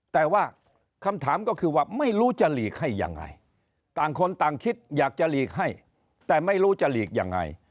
แต่ว่าคำถามก็คือว่าไม่รู้จะหลีกให้ยังไงต่างคนต่างคิดอยากจะหลีกให้แต่ไม่รู้จะหลีกยังไง